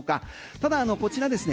ただ、こちらですね